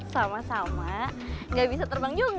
sama sama gak bisa terbang juga